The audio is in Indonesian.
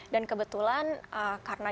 dan kebetulan karena